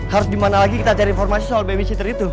harus dimana lagi kita cari informasi soal babysitter itu